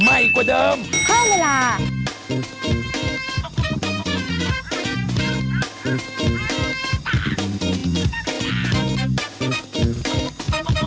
เออเออเออเออเออเออ